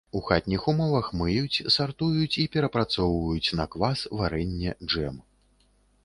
У хатніх умовах мыюць, сартуюць і перапрацоўваюць на квас, варэнне, джэм.